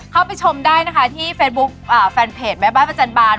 เข้าไปชมได้นะคะที่เฟซบุ๊คแฟนเพจแม่บ้านประจันบาล